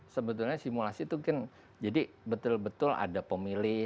sebetulnya simulasi itu kan jadi betul betul ada pemilih